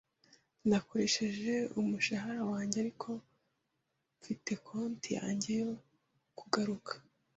Nakoresheje umushahara wanjye, ariko mfite konti yanjye yo kugaruka.